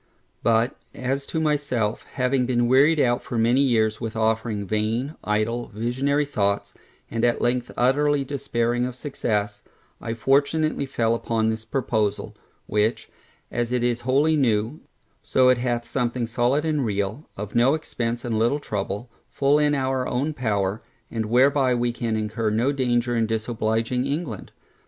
But, as to myself, having been wearied out for many years with offering vain, idle, visionary thoughts, and at length utterly despairing of success, I fortunately fell upon this proposal, which, as it is wholly new, so it hath something solid and real, of no expence and little trouble, full in our own power, and whereby we can incur no danger in disobliging England.